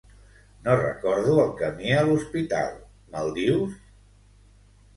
No recordo el camí a l'hospital, me'l dius?